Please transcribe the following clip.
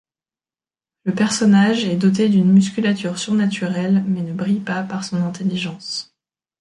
Le personnage est doté d'une musculature surnaturelle, mais ne brille pas par son intelligence.